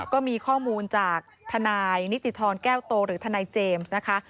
ก็มีข้อมูลจากทนายนิติธรแก้วโตหรือทนายเจมส์นะคะ